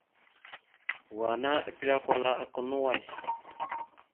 Wa ana epəlé kwala aka no way.